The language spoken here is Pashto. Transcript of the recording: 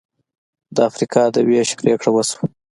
د افریقا د وېش پرېکړه وشوه.